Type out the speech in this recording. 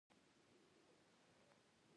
غوږونه د صداقت غږ خوښوي